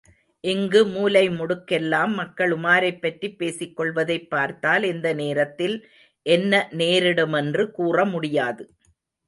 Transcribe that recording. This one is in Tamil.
இங்கு மூலைமுடுக்கெல்லாம் மக்கள் உமாரைப்பற்றிப் பேசிக்கொள்வதைப் பார்த்தால் எந்த நேரத்தில் என்ன நேரிடுமென்று கூறமுடியாது.